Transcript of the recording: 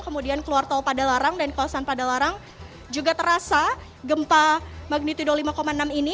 kemudian keluar tol pada larang dan kawasan pada larang juga terasa gempa magnitudo lima enam ini